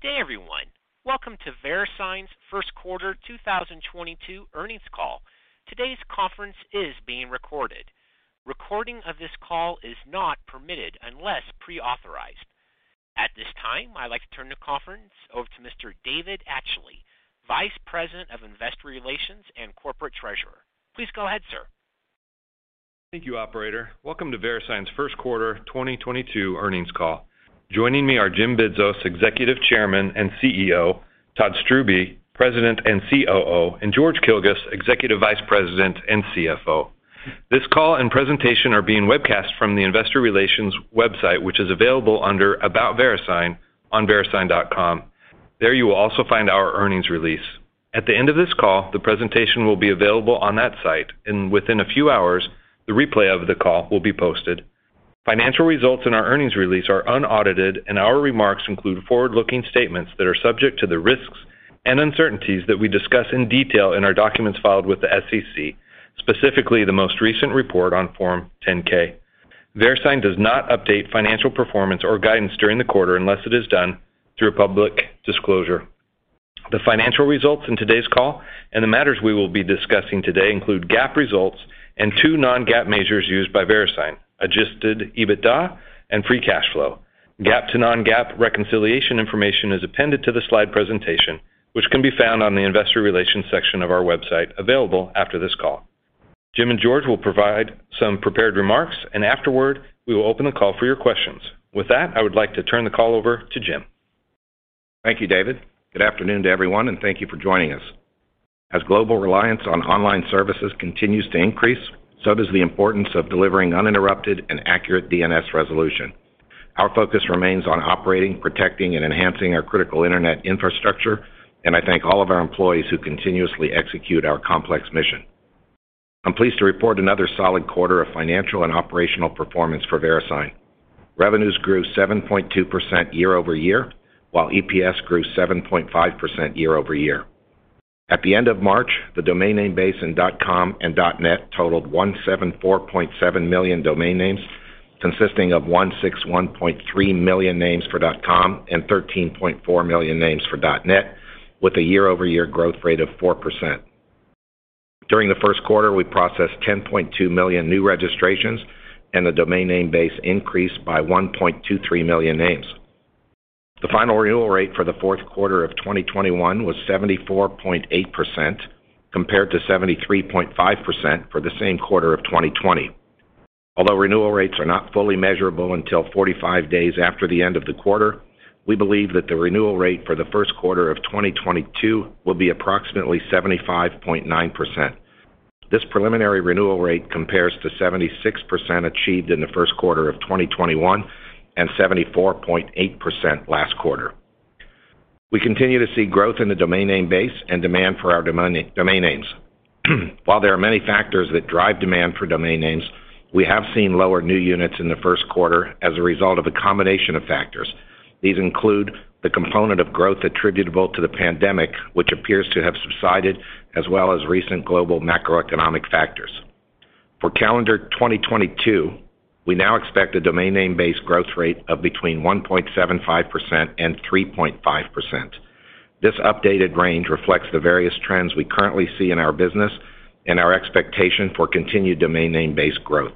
Please stand by. Good day, everyone. Welcome to Verisign's first quarter 2022 earnings call. Today's conference is being recorded. Recording of this call is not permitted unless pre-authorized. At this time, I'd like to turn the conference over to Mr. David Atchley, Vice President of Investor Relations and Corporate Treasurer. Please go ahead, sir. Thank you, operator. Welcome to Verisign's first quarter 2022 earnings call. Joining me are Jim Bidzos, Executive Chairman and CEO, Todd Strubbe, President and COO, and George Kilguss, Executive Vice President and CFO. This call and presentation are being webcast from the investor relations website, which is available under About Verisign on verisign.com. There you will also find our earnings release. At the end of this call, the presentation will be available on that site, and within a few hours, the replay of the call will be posted. Financial results in our earnings release are unaudited, and our remarks include forward-looking statements that are subject to the risks and uncertainties that we discuss in detail in our documents filed with the SEC, specifically the most recent report on Form 10-K. Verisign does not update financial performance or guidance during the quarter unless it is done through a public disclosure. The financial results in today's call and the matters we will be discussing today include GAAP results and two non-GAAP measures used by Verisign, adjusted EBITDA and free cash flow. GAAP to non-GAAP reconciliation information is appended to the slide presentation, which can be found on the investor relations section of our website available after this call. Jim and George will provide some prepared remarks, and afterward, we will open the call for your questions. With that, I would like to turn the call over to Jim. Thank you, David. Good afternoon to everyone, and thank you for joining us. As global reliance on online services continues to increase, so does the importance of delivering uninterrupted and accurate DNS resolution. Our focus remains on operating, protecting, and enhancing our critical internet infrastructure, and I thank all of our employees who continuously execute our complex mission. I'm pleased to report another solid quarter of financial and operational performance for Verisign. Revenues grew 7.2% year-over-year, while EPS grew 7.5% year-over-year. At the end of March, the domain name base in .com and .net totaled 174.7 million domain names, consisting of 161.3 million names for .com and 13.4 million names for .net, with a year-over-year growth rate of 4%. During the first quarter, we processed 10.2 million new registrations, and the domain name base increased by 1.23 million names. The final renewal rate for the fourth quarter of 2021 was 74.8% compared to 73.5% for the same quarter of 2020. Although renewal rates are not fully measurable until 45 days after the end of the quarter, we believe that the renewal rate for the first quarter of 2022 will be approximately 75.9%. This preliminary renewal rate compares to 76% achieved in the first quarter of 2021 and 74.8% last quarter. We continue to see growth in the domain name base and demand for our domain names. While there are many factors that drive demand for domain names, we have seen lower new units in the first quarter as a result of a combination of factors. These include the component of growth attributable to the pandemic, which appears to have subsided, as well as recent global macroeconomic factors. For calendar 2022, we now expect a domain name base growth rate of between 1.75% and 3.5%. This updated range reflects the various trends we currently see in our business and our expectation for continued domain name base growth.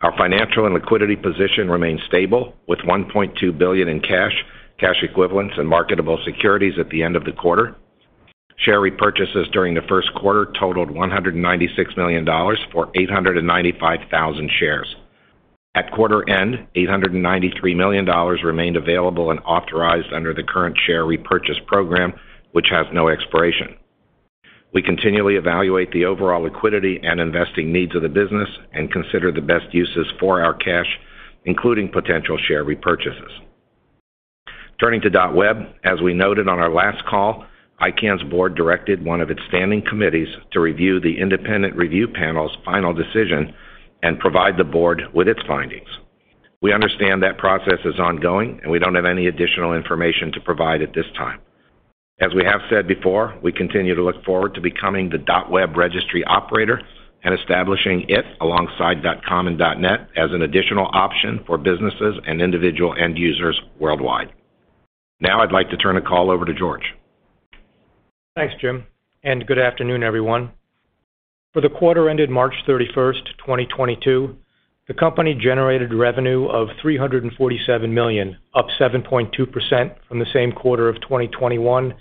Our financial and liquidity position remains stable, with $1.2 billion in cash equivalents and marketable securities at the end of the quarter. Share repurchases during the first quarter totaled $196 million for 895,000 shares. At quarter end, $893 million remained available and authorized under the current share repurchase program, which has no expiration. We continually evaluate the overall liquidity and investing needs of the business and consider the best uses for our cash, including potential share repurchases. Turning to .web, as we noted on our last call, ICANN's board directed one of its standing committees to review the independent review panel's final decision and provide the board with its findings. We understand that process is ongoing, and we don't have any additional information to provide at this time. As we have said before, we continue to look forward to becoming the .web registry operator and establishing it alongside .com and .net as an additional option for businesses and individual end users worldwide. Now I'd like to turn the call over to George. Thanks, Jim, and good afternoon, everyone. For the quarter ended March 31st, 2022, the company generated revenue of $347 million, up 7.2% from the same quarter of 2021,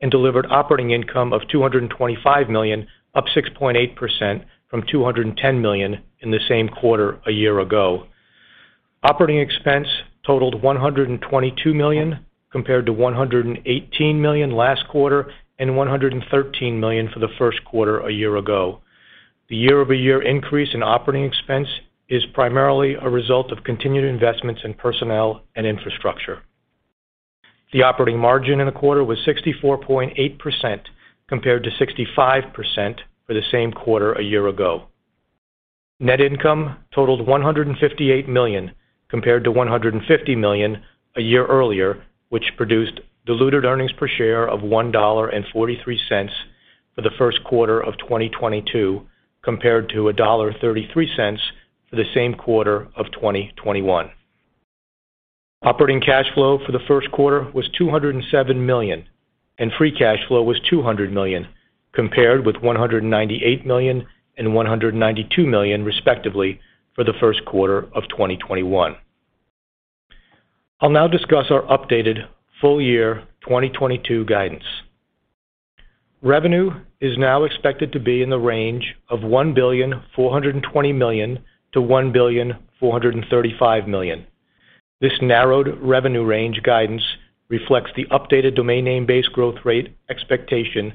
and delivered operating income of $225 million, up 6.8% from $210 million in the same quarter a year ago. Operating expense totaled $122 million compared to $118 million last quarter and $113 million for the first quarter a year ago. The year-over-year increase in operating expense is primarily a result of continued investments in personnel and infrastructure. The operating margin in the quarter was 64.8% compared to 65% for the same quarter a year ago. Net income totaled $158 million compared to $150 million a year earlier, which produced diluted earnings per share of $1.43 for the first quarter of 2022 compared to $1.33 for the same quarter of 2021. Operating cash flow for the first quarter was $207 million, and free cash flow was $200 million, compared with $198 million and $192 million, respectively, for the first quarter of 2021. I'll now discuss our updated full-year 2022 guidance. Revenue is now expected to be in the range of $1.42 billion-$1.435 billion. This narrowed revenue range guidance reflects the updated domain name-based growth rate expectation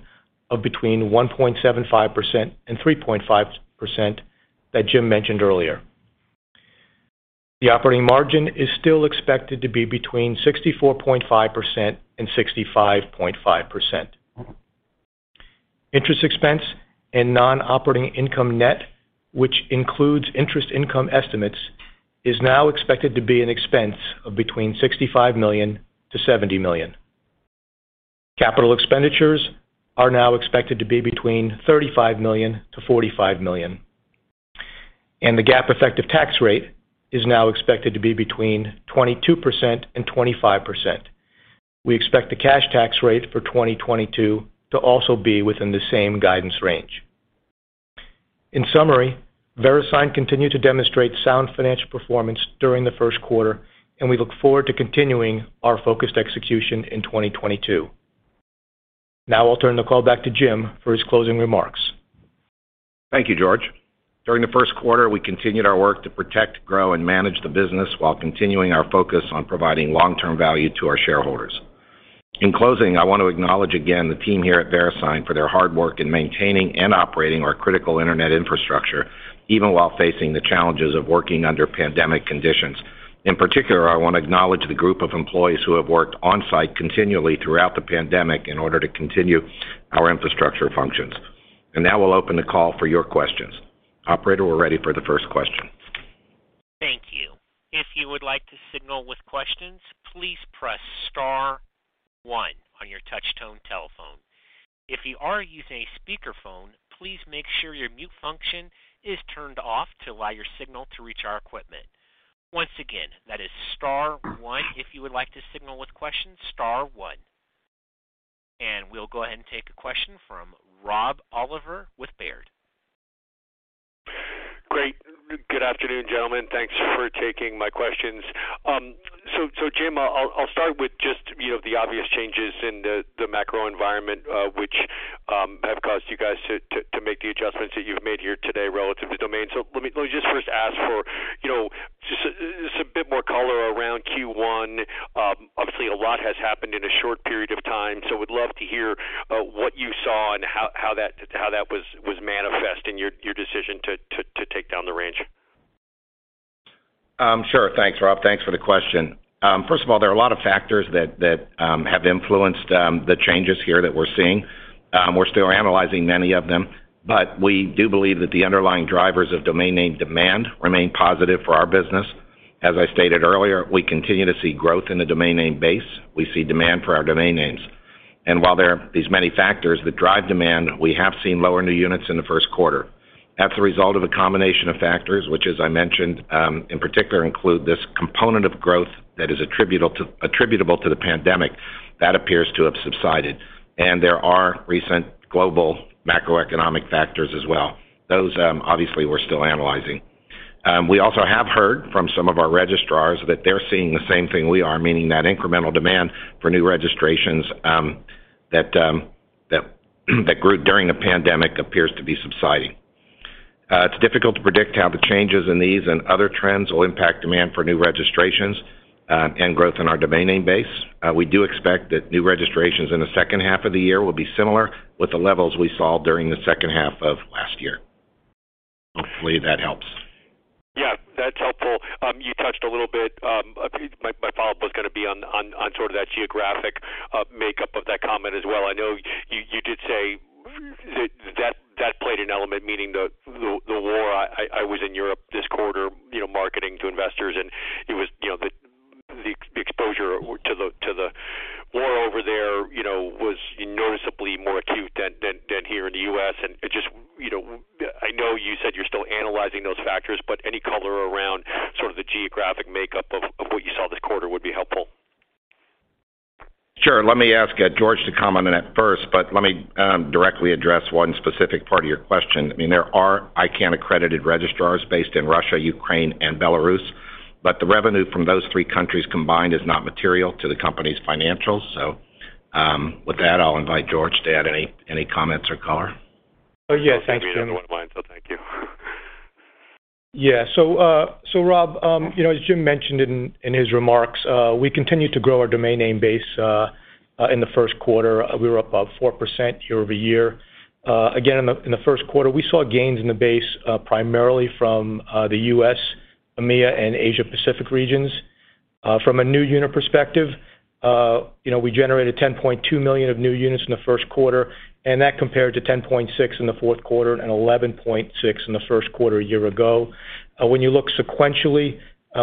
of between 1.75% and 3.5% that Jim mentioned earlier. The operating margin is still expected to be between 64.5% and 65.5%. Interest expense and non-operating income net, which includes interest income estimates, is now expected to be an expense of between $65 million-$70 million. Capital expenditures are now expected to be between $35 million-$45 million, and the GAAP effective tax rate is now expected to be between 22% and 25%. We expect the cash tax rate for 2022 to also be within the same guidance range. In summary, Verisign continued to demonstrate sound financial performance during the first quarter, and we look forward to continuing our focused execution in 2022. Now I'll turn the call back to Jim for his closing remarks. Thank you, George. During the first quarter, we continued our work to protect, grow, and manage the business while continuing our focus on providing long-term value to our shareholders. In closing, I want to acknowledge again the team here at Verisign for their hard work in maintaining and operating our critical internet infrastructure, even while facing the challenges of working under pandemic conditions. In particular, I want to acknowledge the group of employees who have worked on-site continually throughout the pandemic in order to continue our infrastructure functions. Now we'll open the call for your questions. Operator, we're ready for the first question. Thank you. If you would like to signal with questions, please press star one on your touch tone telephone. If you are using a speakerphone, please make sure your mute function is turned off to allow your signal to reach our equipment. Once again, that is star one if you would like to signal with questions, star one. We'll go ahead and take a question from Rob Oliver with Baird. Great. Good afternoon, gentlemen. Thanks for taking my questions. So Jim, I'll start with just, you know, the obvious changes in the macro environment, which have caused you guys to make the adjustments that you've made here today relative to domain. Let me just first ask for, you know, just a bit more color around Q1. Obviously a lot has happened in a short period of time, would love to hear what you saw and how that was manifest in your decision to take down the range. Sure. Thanks, Rob. Thanks for the question. First of all, there are a lot of factors that have influenced the changes here that we're seeing. We're still analyzing many of them, but we do believe that the underlying drivers of domain name demand remain positive for our business. As I stated earlier, we continue to see growth in the domain name base. We see demand for our domain names. While there are these many factors that drive demand, we have seen lower new units in the first quarter. That's a result of a combination of factors, which as I mentioned, in particular, include this component of growth that is attributable to the pandemic that appears to have subsided. There are recent global macroeconomic factors as well. Those obviously we're still analyzing. We also have heard from some of our registrars that they're seeing the same thing we are, meaning that incremental demand for new registrations that grew during the pandemic appears to be subsiding. It's difficult to predict how the changes in these and other trends will impact demand for new registrations and growth in our domain name base. We do expect that new registrations in the second half of the year will be similar with the levels we saw during the second half of last year. Hopefully, that helps. Let me ask George to comment on that first, but let me directly address one specific part of your question. I mean, there are ICANN accredited registrars based in Russia, Ukraine, and Belarus, but the revenue from those three countries combined is not material to the company's financials. With that, I'll invite George to add any comments or color. Oh, yes. Thanks, Jim. I'll give you the other one, so thank you. Yeah. Rob, you know, as Jim mentioned in his remarks, we continued to grow our domain name base in the first quarter. We were up about 4% year-over-year. Again, in the first quarter, we saw gains in the base, primarily from the U.S., EMEA, and Asia Pacific regions. From a new unit perspective, you know, we generated 10.2 million new units in the first quarter, and that compared to 10.6 in the fourth quarter and 11.6 in the first quarter a year ago. When you look sequentially,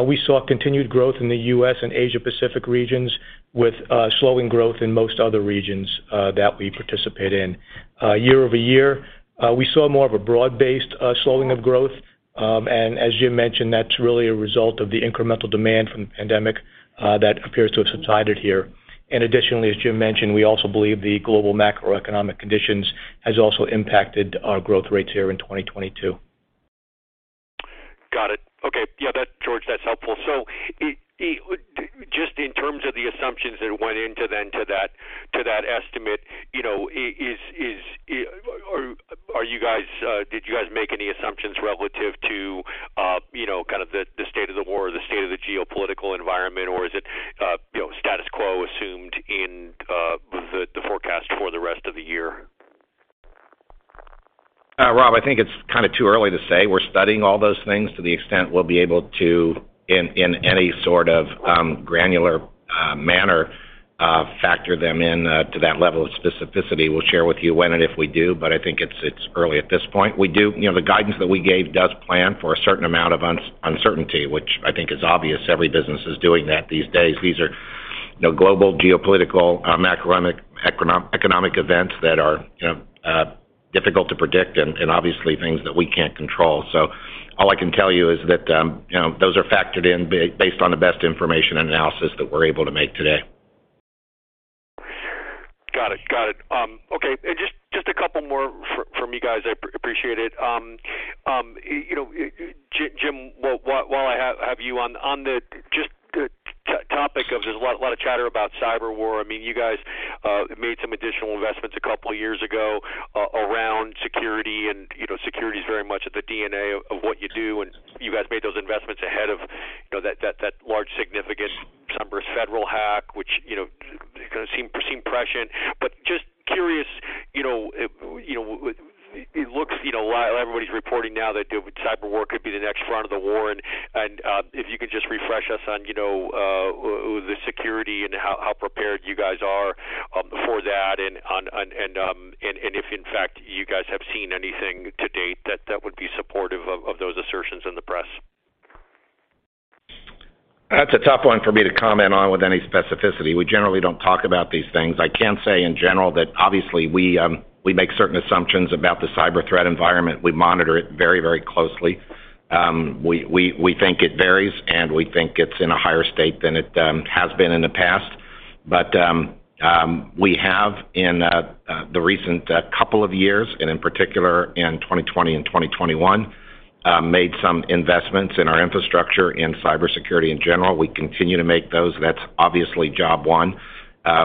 we saw continued growth in the U.S. and Asia Pacific regions with slowing growth in most other regions that we participate in. Year-over-year, we saw more of a broad-based slowing of growth. As Jim mentioned, that's really a result of the incremental demand from the pandemic that appears to have subsided here. Additionally, as Jim mentioned, we also believe the global macroeconomic conditions has also impacted our growth rates here in 2022. Got it. Okay. Yeah, that, George, that's helpful. Just in terms of the assumptions that went into that, to that estimate, you know, did you guys make any assumptions relative to, you know, kind of the state of the war or the state of the geopolitical environment? Or is it, you know, status quo assumed in, the forecast for the rest of the year? Rob, I think it's kinda too early to say. We're studying all those things to the extent we'll be able to, in any sort of granular manner, factor them in to that level of specificity. We'll share with you when and if we do, but I think it's early at this point. You know, the guidance that we gave does plan for a certain amount of uncertainty, which I think is obvious every business is doing that these days. These are, you know, global geopolitical, economic events that are, you know, difficult to predict and obviously things that we can't control. So all I can tell you is that, you know, those are factored in based on the best information and analysis that we're able to make today. Got it. Just a couple more from you guys. I appreciate it. You know, Jim, while I have you on the topic of, there's a lot of chatter about cyber war. I mean, you guys made some additional investments a couple of years ago around security, and you know, security is very much at the DNA of what you do, and you guys made those investments ahead of you know, that large, significant SUNBURST federal hack, which you know, kinda seemed prescient. Just curious, you know, it looks, you know, while everybody's reporting now that the cyber war could be the next front of the war, if you could just refresh us on, you know, with the security and how prepared you guys are for that and if, in fact, you guys have seen anything to date that would be supportive of those assertions in the press. That's a tough one for me to comment on with any specificity. We generally don't talk about these things. I can say in general that obviously we make certain assumptions about the cyber threat environment. We monitor it very, very closely. We think it varies, and we think it's in a higher state than it has been in the past. We have in the recent couple of years, and in particular in 2020 and 2021, made some investments in our infrastructure in cybersecurity in general. We continue to make those. That's obviously job one.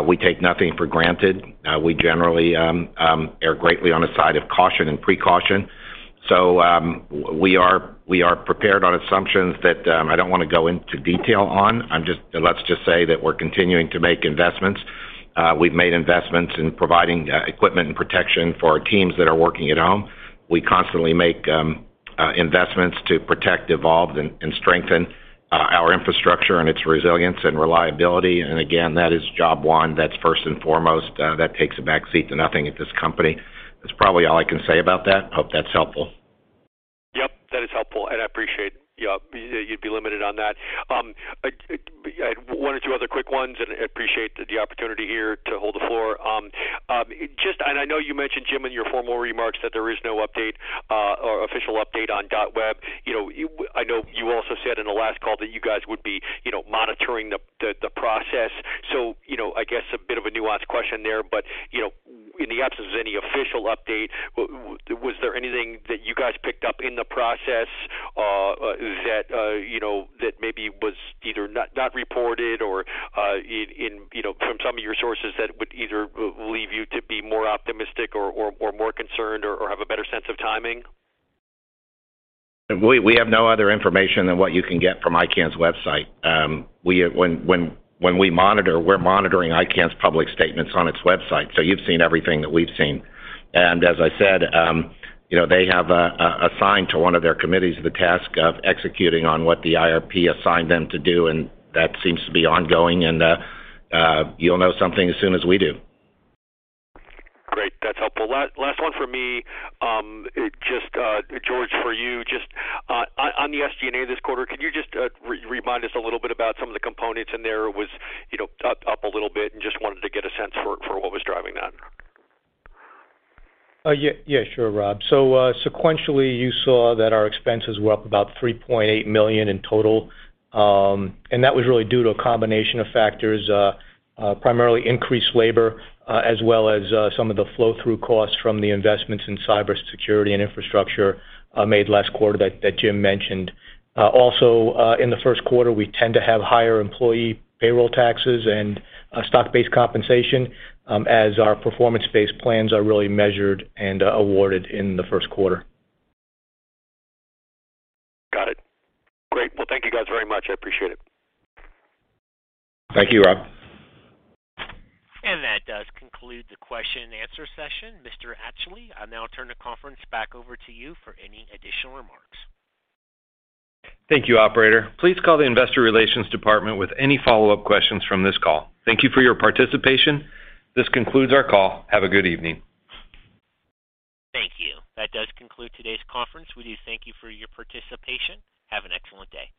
We take nothing for granted. We generally err on the side of caution and precaution. We are prepared on assumptions that I don't wanna go into detail on. Let's just say that we're continuing to make investments. We've made investments in providing equipment and protection for our teams that are working at home. We constantly make investments to protect, evolve, and strengthen our infrastructure and its resilience and reliability. That is job one. That's first and foremost. That takes a backseat to nothing at this company. That's probably all I can say about that. Hope that's helpful. Yep, that is helpful, and I appreciate, yeah, you'd be limited on that. One or two other quick ones, and I appreciate the opportunity here to hold the floor. I know you mentioned, Jim, in your formal remarks that there is no update or official update on .web. You know, I know you also said in the last call that you guys would be, you know, monitoring the process. You know, I guess a bit of a nuanced question there. You know, in the absence of any official update, was there anything that you guys picked up in the process, that you know that maybe was either not reported or, you know, from some of your sources that would either leave you to be more optimistic or more concerned or have a better sense of timing? We have no other information than what you can get from ICANN's website. When we monitor, we're monitoring ICANN's public statements on its website. You've seen everything that we've seen. As I said, you know, they have assigned to one of their committees the task of executing on what the IRP assigned them to do, and that seems to be ongoing. You'll know something as soon as we do. Great. That's helpful. Last one for me. Just George, for you, just on the SG&A this quarter, can you just remind us a little bit about some of the components in there? It was, you know, up a little bit and just wanted to get a sense for what was driving that. Yeah, sure, Rob. Sequentially, you saw that our expenses were up about $3.8 million in total. That was really due to a combination of factors, primarily increased labor, as well as some of the flow-through costs from the investments in cybersecurity and infrastructure made last quarter that Jim mentioned. Also, in the first quarter, we tend to have higher employee payroll taxes and stock-based compensation, as our performance-based plans are really measured and awarded in the first quarter. Got it. Great. Well, thank you guys very much. I appreciate it. Thank you, Rob. That does conclude the question and answer session. Mr. Atchley, I'll now turn the conference back over to you for any additional remarks. Thank you, operator. Please call the investor relations department with any follow-up questions from this call. Thank you for your participation. This concludes our call. Have a good evening. Thank you. That does conclude today's conference. We do thank you for your participation. Have an excellent day.